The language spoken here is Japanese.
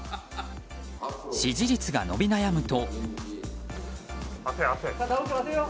支持率が伸び悩むと。